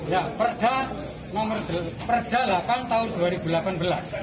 ya perda nomor perda delapan tahun dua ribu delapan belas